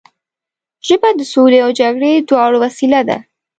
ژبه د سولې او جګړې دواړو وسیله ده